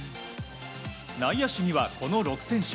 内野手にはこの６選手。